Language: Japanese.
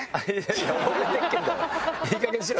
いいかげんにしろよ。